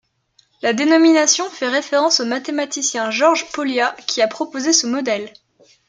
La dénomination fait référence au mathématicien George Pólya qui a proposé ce modèle.